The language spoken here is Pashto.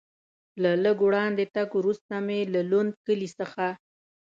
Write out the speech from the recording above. له لږ وړاندې تګ وروسته مې له لوند کلي څخه.